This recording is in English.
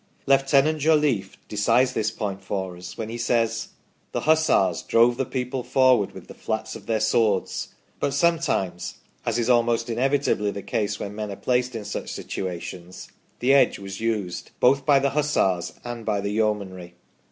Lieu tenant Jolliffe decides this point for us when he says :" The Hussars drove the people forward with the flats of their swords ; but sometimes, as is almost inevitably the case when men are placed in such situations, the edge was used, both by the Hussars and by the Yeomanry